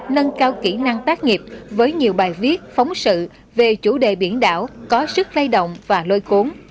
nâng cao kỹ năng tác nghiệp với nhiều bài viết phóng sự về chủ đề biển đảo có sức lay động và lôi cuốn